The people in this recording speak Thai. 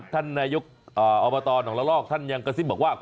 ท่านนายกอบตหนองละลอกท่านยังกระซิบบอกว่า